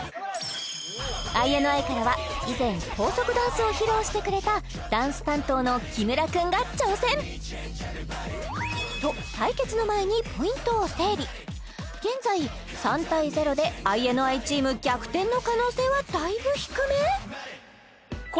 ＩＮＩからは以前高速ダンスを披露してくれたダンス担当の木村くんが挑戦と対決の前にポイントを整理現在３対０でＩＮＩチーム逆転の可能性はだいぶ低め？